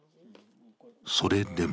それでも